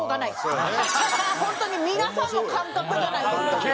本当に皆さんも感覚じゃないですか。